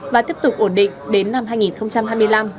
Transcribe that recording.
và tiếp tục ổn định đến năm hai nghìn hai mươi năm